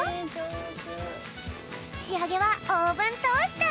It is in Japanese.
しあげはオーブントースター。